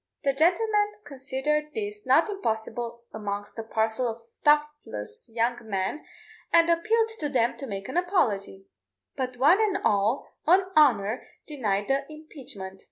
The gentleman considered this not impossible amongst a parcel of thoughtless young men, and appealed to them to make an apology; but one and all, on honour, denied the impeachment.